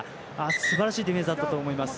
すばらしいディフェンスだったと思います。